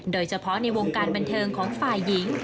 โดยเฉพาะในวงการบันเทิงของฝ่ายหญิง